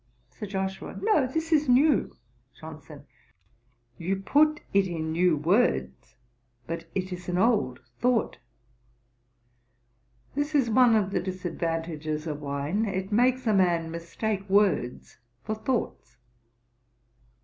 SIR JOSHUA. 'No, this is new.' JOHNSON. 'You put it in new words, but it is an old thought. This is one of the disadvantages of wine. It makes a man mistake words for thoughts.'